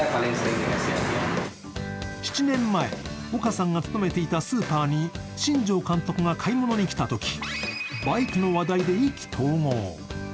７年前、オカさんが勤めていたスーパーに新庄監督が買い物に来たときバイクの話題で意気投合。